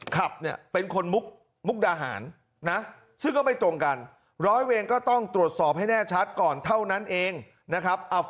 ขอบคุณครับ